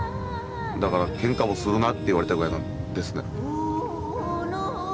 だから喧嘩もするなって言われたぐらいですね。